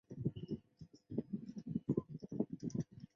此外还有笨珍培群独中。